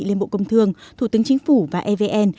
liên bộ công thương thủ tướng chính phủ và evn